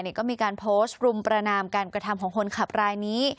เนี่ยก็มีการโพสต์รุมประนามการปกติธรรมของคนขับรายนี้